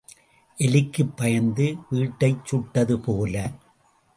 எலிக்குப் பயந்து வீட்டைச் சுட்டது போல.